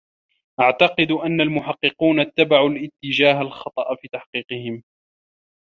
أعتقد أنّ المحقّقون اتّبعوا الاتّجاهى الخطأ في تحقيقهم.